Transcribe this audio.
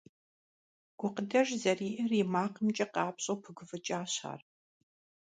Гукъыдэж зэриӀэр и макъымкӀэ къапщӀэу пыгуфӀыкӀащ ар.